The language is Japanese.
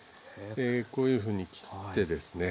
こういうふうに切ってですね。